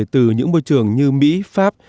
từ những môi trường như mỹ pháp